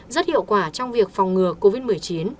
rất hiệu quả trong việc phòng ngừa covid một mươi chín